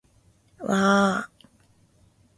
わああああ